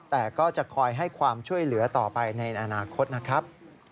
แต่ก็จะคอยให้ความช่วยเหลือต่อไปในอนาคตนะครับ